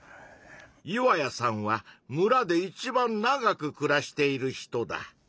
岩谷さんは村で一番長くくらしている人だ。